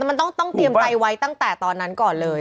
มันต้องเตรียมใจไว้ตั้งแต่ตอนนั้นก่อนเลย